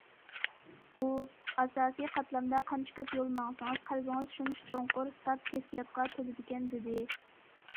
ئۇ: ئاساسىي قاتلامدا قانچە كۆپ يول ماڭسىڭىز قەلبىڭىز شۇنچە چوڭقۇر ساپ ھېسسىياتقا تولىدىكەن، دېدى.